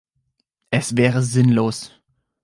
Es wäre sinnlos.